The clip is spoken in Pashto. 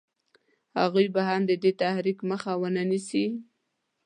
هغوی به هم د ده د تحریک مخه ونه نیسي.